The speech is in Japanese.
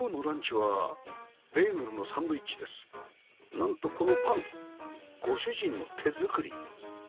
なんとこのパンご主人の手作り